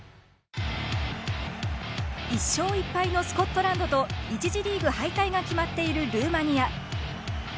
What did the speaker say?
１勝１敗のスコットランドと１次リーグ敗退が決まっているルーマニア。